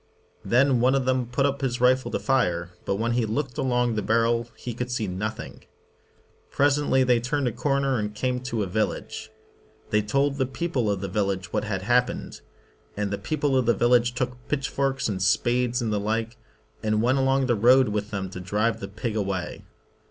Then one of them put up his rifle to fire, but when he looked along the barrel he could see nothing. Presently they turned 113 1 The a corner and came to a village. They TwUight. t0 ^ t ^ ie P e °pl e °f ^e village what had happened, and the people of the village took pitchforks and spades and the like, and went along the road with them to drive the pig away.